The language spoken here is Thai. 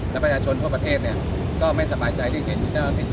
แล้วประชาชนทั่วประเทศเนี่ยก็ไม่สบายใจที่เห็น